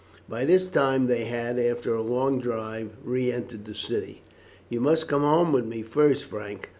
By this time they had, after a long drive, re entered the city. "You must come home with me first, Frank.